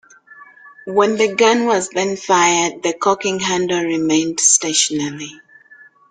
When the gun was then fired the cocking handle remained stationary.